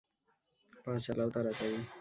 পা চালাও তারাতাড়ি!